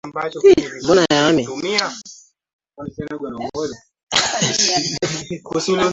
kiasi cha fedha za kigeni kinatoa imani kwa wawekezaji